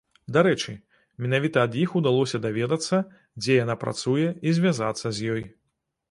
Дарэчы, менавіта ад іх удалося даведацца, дзе яна працуе і звязацца з ёй.